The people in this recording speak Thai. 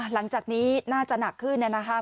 หลังจากนี้น่าจะหนักขึ้นนะครับ